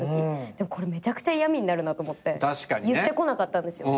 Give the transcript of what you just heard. でもこれめちゃくちゃ嫌みになるなと思って言ってこなかったんですよ。